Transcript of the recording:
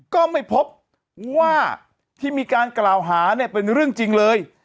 ก็ไม่พบว่าที่มีการกล่าวหาเนี่ยเป็นเรื่องจริงเลย